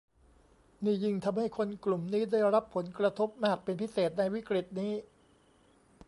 ก็ยิ่งทำให้คนกลุ่มนี้ได้รับผลกระทบมากเป็นพิเศษในวิกฤตนี้